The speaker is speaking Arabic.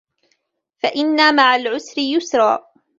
فَإِنَّ مَعَ الْعُسْرِ يُسْرًا